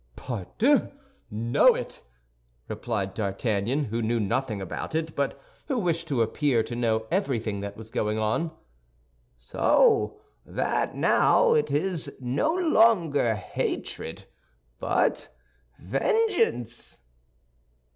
"Pardieu! Know it!" replied D'Artagnan, who knew nothing about it, but who wished to appear to know everything that was going on. "So that now it is no longer hatred, but vengeance."